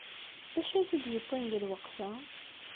D acu ay t-id-yewwin deg lweqt-a?